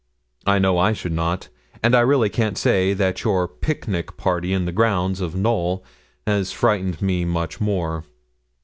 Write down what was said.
I know I should not. And I really can't say that your pic nic party in the grounds of Knowl has frightened me much more.